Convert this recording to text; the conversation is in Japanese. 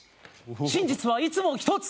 真実はいつもひとつ！